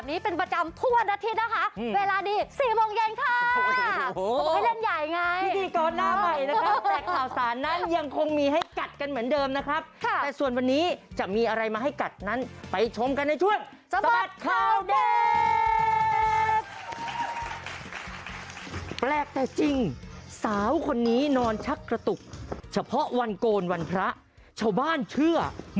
จัดดีดาจัดดีดาจัดดีดาจัดดีดาจัดดีดาจัดดีดาจัดดีดาจัดดีดาจัดดีดาจัดดีดาจัดดีดาจัดดีดาจัดดีดาจัดดีดาจัดดีดาจัดดีดาจัดดีดาจัดดีดาจัดดีดาจัดดีดาจัดดีดาจัดดีดาจัดดีดาจัดดีดาจัดดีดาจัดดีดาจัดดีดาจัดดี